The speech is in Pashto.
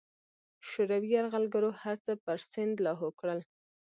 شوروي یرغلګرو هرڅه په سیند لاهو کړل.